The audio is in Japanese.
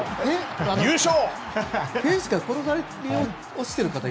優勝！